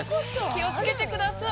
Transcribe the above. ◆気をつけてください。